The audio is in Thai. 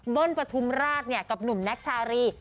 เบิ้ลประทุมราชเนี่ยกับหนุ่มนักชาวรี